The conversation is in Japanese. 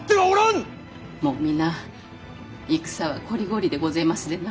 もう皆戦はこりごりでごぜえますでな。